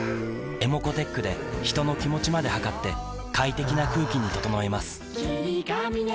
ｅｍｏｃｏーｔｅｃｈで人の気持ちまで測って快適な空気に整えます